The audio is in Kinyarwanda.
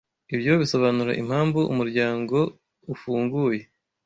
Ibyo bisobanura impamvu umuryango ufunguye.